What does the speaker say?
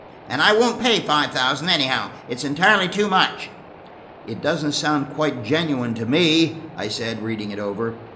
And I won't pay five thousand, anyhow, it's entirely too much." "It doesn't sound quite genuine to me," I said, reading it over.